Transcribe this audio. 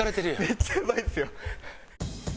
めっちゃやばいっすよ。